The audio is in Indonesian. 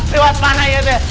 lewat mana ya deh